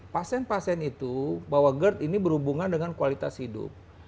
pasien pasien itu bahwa gerd ini berhubungan dengan kualitas hidup